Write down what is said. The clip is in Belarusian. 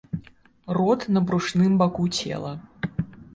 Рот на брушным баку цела.